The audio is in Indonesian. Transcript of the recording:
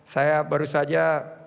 saya baru saja